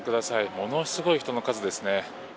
ものすごい人の数ですね。